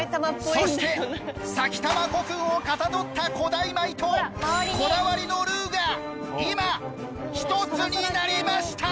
そして埼玉古墳をかたどった古代米とこだわりのルウが今１つになりました！